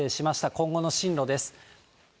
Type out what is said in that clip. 今後の進路です。